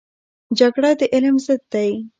جګړه د علم ضد دی